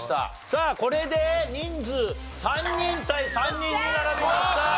さあこれで人数３人対３人に並びました。